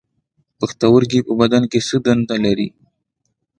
پښتورګي په بدن کې څه دنده لري